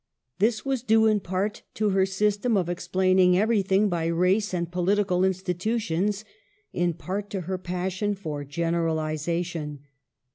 This was due, in part, to her system of ex plaining everything by race and political institu tions, in part to her passion for generalization.